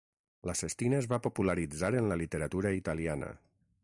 La "sestina" es va popularitzar en la literatura italiana.